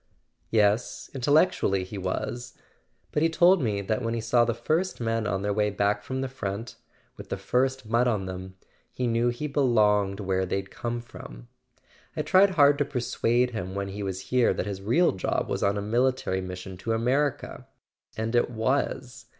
"Yes; intellectually he was. But he told me that when he saw the first men on their way back from the front—with the first mud on them—he knew he be¬ longed where they'd come from. I tried hard to per¬ suade him when he was here that his real job was on a military mission to America—and it was.